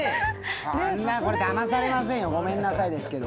そんな、だまされませんよ、ごめんなさいですけど。